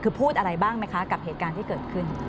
คือพูดอะไรบ้างไหมคะกับเหตุการณ์ที่เกิดขึ้น